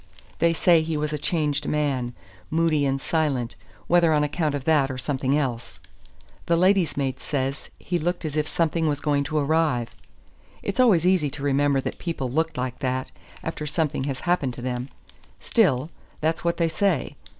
They say he was a changed man, moody and silent whether on account of that or something else. The lady's maid says he looked as if something was going to arrive. It's always easy to remember that people looked like that, after something has happened to them. Still, that's what they say.